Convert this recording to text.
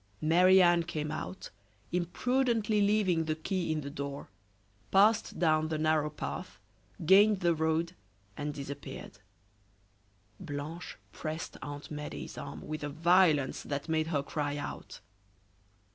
Marie Anne came out, imprudently leaving the key in the door, passed down the narrow path, gained the road, and disappeared. Blanche pressed Aunt Medea's arm with a violence that made her cry out.